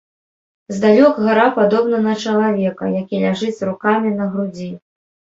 Здалёк гара падобна на чалавека, які ляжыць з рукамі на грудзі.